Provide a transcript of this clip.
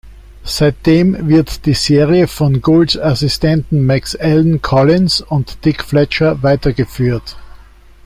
Seitdem wird die Serie von Goulds Assistenten Max Allen Collins und Dick Fletcher weitergeführt.